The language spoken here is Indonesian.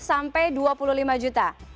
sampai dua puluh lima juta